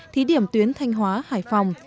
thí điểm tuyến thanh hóa hải phòng